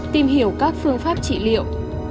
tìm hiểu các phương pháp trị liệu